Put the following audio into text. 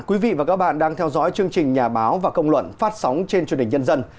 quý vị và các bạn đang theo dõi chương trình nhà báo và công luận phát sóng trên truyền hình nhân dân